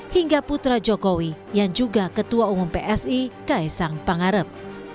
hingga putra jokowi yang juga ketua umum psi kaisang pangarep